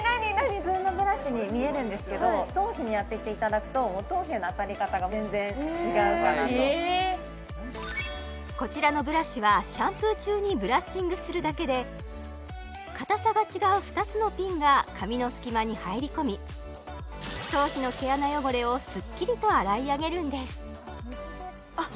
普通のブラシに見えるんですけど頭皮にあてていただくとこちらのブラシはシャンプー中にブラッシングするだけで硬さが違う２つのピンが髪の隙間に入り込み頭皮の毛穴汚れをすっきりと洗い上げるんですあっ